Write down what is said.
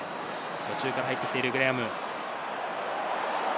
途中から入ってきているグレアム。